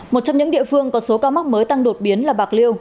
một trong những địa phương có số ca mắc mới tăng đột biến là bạc liêu